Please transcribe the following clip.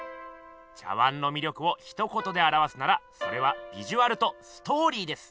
茶碗のみ力をひと言であらわすならそれは「ビジュアル」と「ストーリー」です。